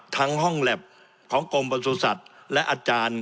ทั้งห้องแล็บของกรมประสุทธิ์และอาจารย์